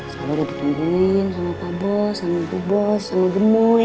selalu udah ditungguin sama pak bos sama bu bos sama gemuy